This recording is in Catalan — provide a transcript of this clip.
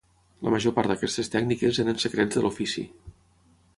La major part d'aquestes tècniques eren secrets de l'ofici.